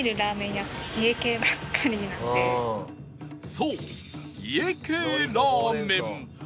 そう家系ラーメン